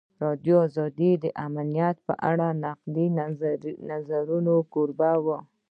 ازادي راډیو د امنیت په اړه د نقدي نظرونو کوربه وه.